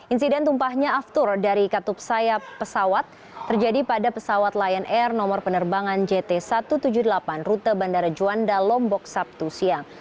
insiden tumpahnya aftur dari katup sayap pesawat terjadi pada pesawat lion air nomor penerbangan jt satu ratus tujuh puluh delapan rute bandara juanda lombok sabtu siang